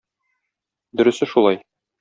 Дөресе шулай.